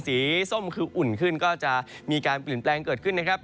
ส้มคืออุ่นขึ้นก็จะมีการเปลี่ยนแปลงเกิดขึ้นนะครับ